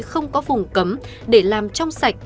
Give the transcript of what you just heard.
không có phùng cấm để làm trong sạch